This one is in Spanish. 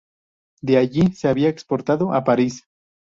De allí se había exportado a París.